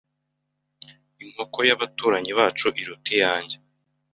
Inkoko y'abaturanyi bacu iruta iyanjye.